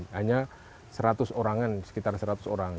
hanya seratus orangan sekitar seratus orang